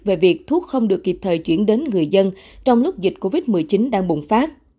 về việc thuốc không được kịp thời chuyển đến người dân trong lúc dịch covid một mươi chín đang bùng phát